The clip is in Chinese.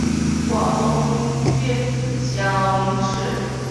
广东丙子乡试。